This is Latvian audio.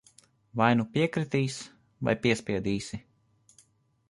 Vai nu piekritīs, vai piespiedīsi.